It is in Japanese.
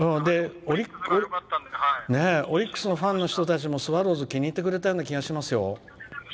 オリックスのファンの人たちもスワローズ気に入ってくれたような気がしますよ。